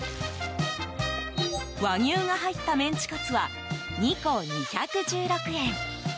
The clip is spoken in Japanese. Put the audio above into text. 和牛が入ったメンチカツは２個、２１６円。